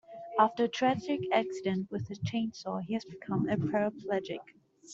After a tragic accident with a chainsaw he has become a paraplegic.